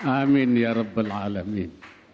amin ya rabbal alamin